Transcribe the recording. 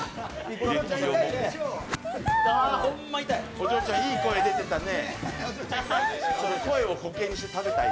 お嬢ちゃん、いい声出てたね。